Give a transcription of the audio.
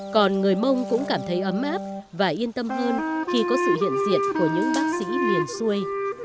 còn người mông cũng cảm thấy ấm áp và yên tâm hơn khi có sự hiện diện của những bác sĩ miền xuôi